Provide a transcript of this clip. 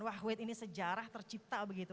wahwid ini sejarah tercipta begitu